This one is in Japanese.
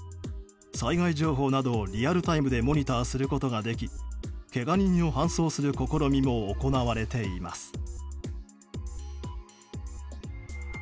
災害情報などをリアルタイムでモニターすることができけが人を搬送する試みも行われています。